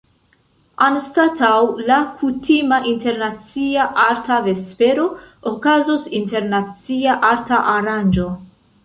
Anstataŭ la kutima Internacia Arta Vespero, okazos “Internacia Arta Aranĝo”.